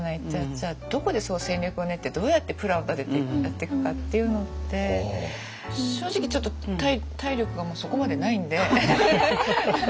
じゃあどこで戦略を練ってどうやってプランを立ててやっていくかっていうのって正直ちょっと体力がもうそこまでないんで。